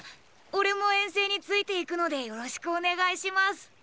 俺も遠征について行くのでよろしくお願いします。